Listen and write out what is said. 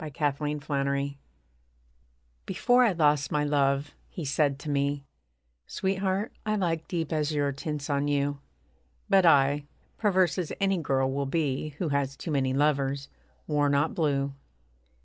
BEFORE AND AFTER Before I lost my love, he said to me: 'Sweetheart, I like deep azure tints on you.' But I, perverse as any girl will be Who has too many lovers, wore not blue.